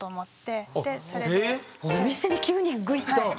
⁉お店に急にグイッと？